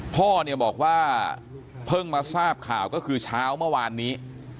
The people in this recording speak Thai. พ่อเนี่ยบอกว่าเพิ่งมาทราบข่าวก็คือเช้าเมื่อวานนี้